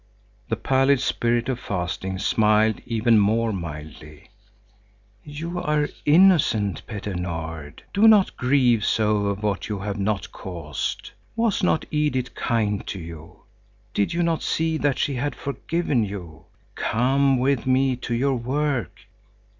The pallid Spirit of Fasting smiled ever more mildly. "You are innocent, Petter Nord. Do not grieve so over what you have not caused! Was not Edith kind to you? Did you not see that she had forgiven you? Come with me to your work!